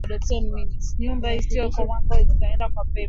Nyumba isio mwamba itaenda na pepo